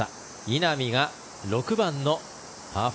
稲見が６番のパー４。